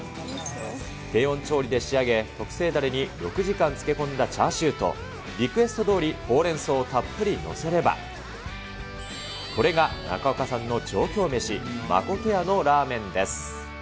低温調理で仕上げ、特製だれに６時間漬け込んだチャーシューと、リクエストどおりほうれんそうたっぷり載せれば、これが中岡さんの上京メシ、誠屋のラーメンです。